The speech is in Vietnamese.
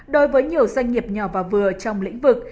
đối với nhiều doanh nghiệp nhỏ và vừa trong lĩnh vực